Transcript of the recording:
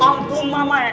ya ampun mama